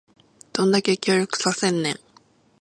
どんだけ協力させんねん